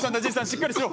しっかりしろ！